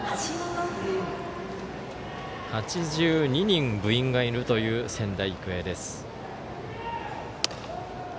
８２人、部員がいるという仙台育英です。